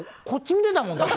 こっち見てたもん。